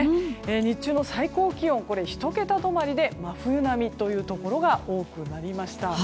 日中の最高気温、１桁止まりで真冬並みというところが多くなりました。